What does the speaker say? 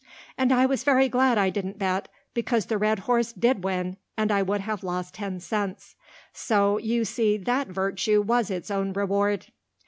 And I was very glad I didn't bet, because the red horse did win, and I would have lost ten cents. So you see that virtue was its own reward.